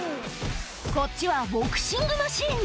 こっちはボクシングマシン。